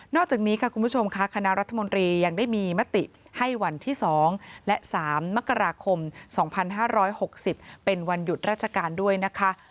อกจากนี้ค่ะคุณผู้ชมค่ะคณะรัฐมนตรียังได้มีมติให้วันที่๒และ๓มกราคม๒๕๖๐เป็นวันหยุดราชการด้วยนะคะ